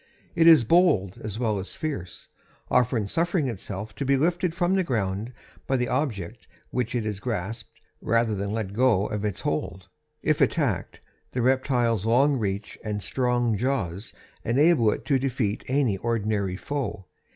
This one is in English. It is bold as well as fierce, often suffering itself to be lifted from the ground by the object which it has grasped rather than to let go its hold. If attacked, the reptile's long reach and strong jaws enable it to defeat any ordinary foe.